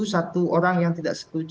satu orang yang tidak setuju